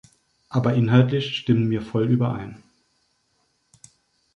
Aber inhaltlich stimmen wir voll überein.